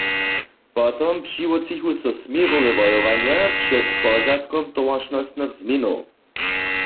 Potom přiwótřichu so směrowe wojowanja před pozadkom towaršnostnych změnow.